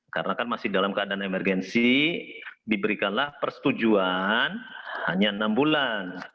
karena kan masih dalam keadaan emergensi diberikanlah persetujuan hanya enam bulan